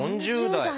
４０代！